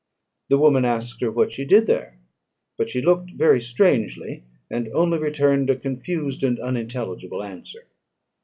The woman asked her what she did there; but she looked very strangely, and only returned a confused and unintelligible answer.